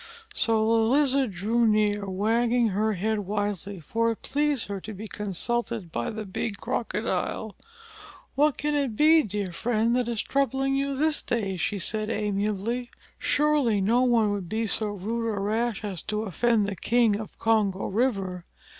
So the Lizard drew near, wagging her head wisely, for it pleased her to be consulted by the big Crocodile. "What can it be, dear friend, that is troubling you this day?" she said amiably. "Surely, no one would be so rude or rash as to offend the King of Congo River.